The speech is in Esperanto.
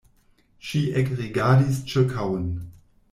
Ŝi ekrigardis ĉirkaŭen.